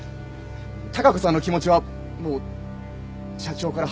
貴子さんの気持ちはもう社長から離れてます。